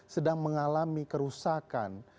sedang mengalami kerusakan